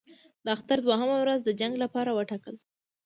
د اختر دوهمه ورځ د جنګ لپاره وټاکل شوه.